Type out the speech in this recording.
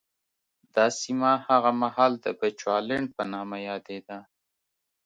دا سیمه هغه مهال د بچوالېنډ په نامه یادېده.